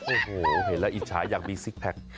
โอ้โหเห็นแล้วอิจฉาอยากมีซิกแพค